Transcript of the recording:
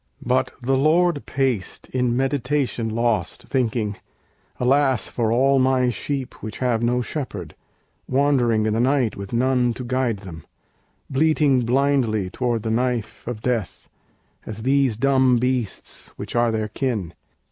But the Lord paced, in meditation lost, Thinking, "Alas! for all my sheep which have No shepherd; wandering in the night with none To guide them; bleating blindly toward the knife Of Death, as these dumb beasts which are their kin."